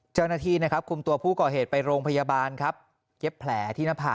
เจ้าหน้าที่นะครับคุมตัวผู้ก่อเหตุไปโรงพยาบาลครับเย็บแผลที่หน้าผาก